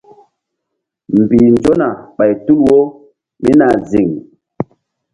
Mbih nzona ɓay tul wo mí nah ziŋ.